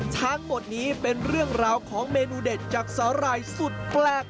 ทั้งหมดนี้เป็นเรื่องราวของเมนูเด็ดจากสาหร่ายสุดแปลก